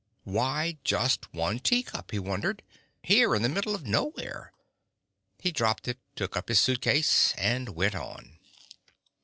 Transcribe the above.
Why just one teacup, he wondered, here in the middle of nowhere? He dropped it, took up his suitcase, and went on.